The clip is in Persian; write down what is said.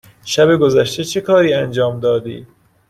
شب گذشته چه کاری انجام دادی؟